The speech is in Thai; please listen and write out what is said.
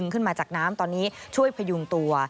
ขึ้นมาจากน้ำตอนนี้ช่วยพยุงตัว